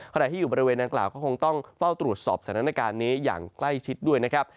ใครที่อยู่บริเวณนางกล่าวก็คงต้องเฝ้าตรวจสอบสถานการณ์นี้อย่างใกล้ชิดด้วยนะครับ